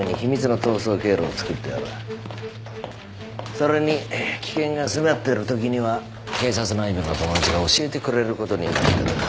それに危険が迫ってるときには警察内部の友達が教えてくれることになってる。